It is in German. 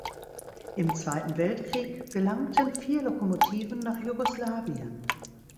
Im Zweiten Weltkrieg gelangten vier Lokomotiven nach Jugoslawien.